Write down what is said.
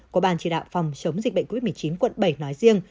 của ban chỉ đạo phòng chống dịch bệnh covid một mươi chín quận bảy nói riêng